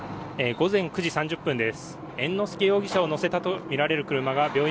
午前９時３０分です。